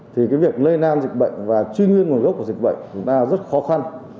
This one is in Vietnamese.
thì việc lây lan dịch bệnh và truy nguyên nguồn gốc của dịch bệnh là rất khó khăn